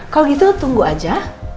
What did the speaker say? kalau gitu tunggu aja